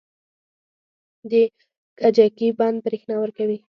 د کجکي بند بریښنا ورکوي